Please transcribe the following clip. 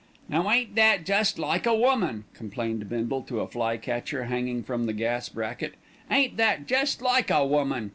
"Now ain't that jest like a woman," complained Bindle to a fly catcher hanging from the gas bracket. "Ain't that jest like a woman.